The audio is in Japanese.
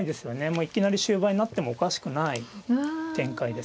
もういきなり終盤になってもおかしくない展開ですね。